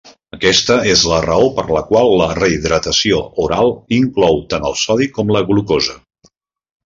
Aquesta és la raó per la quan la rehidratació oral inclou tant el sodi com la glucosa.